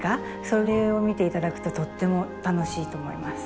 それを見て頂くととっても楽しいと思います。